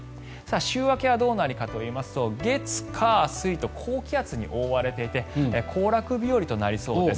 週明けはどうなるかといいますと月火水と高気圧に覆われていて行楽日和となりそうです。